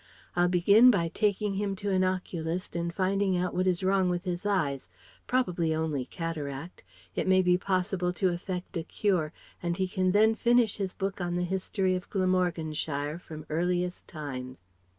I'll begin by taking him to an oculist and finding out what is wrong with his eyes.... Probably only cataract. It may be possible to effect a cure and he can then finish his book on the history of Glamorganshire from earliest times.